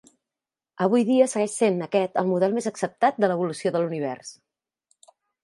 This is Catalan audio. Avui dia segueix sent aquest el model més acceptat de l'evolució de l'univers.